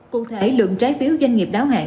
cụ thể lượng trái phiếu doanh nghiệp đáo hạn